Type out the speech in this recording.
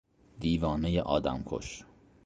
دیوانهی آدمکش